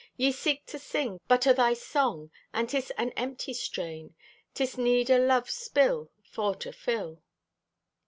Ye seek to sing but o' thy song, And 'tis an empty strain. 'Tis need O' love's spill for to fill.